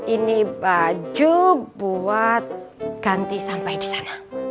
ini baju buat ganti sampai disana